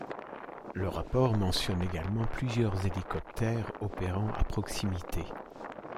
Le rapport mentionne également plusieurs hélicoptères opérant à proximité.